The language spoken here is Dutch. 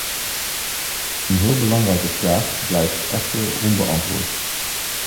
Een heel belangrijke vraag blijft echter onbeantwoord.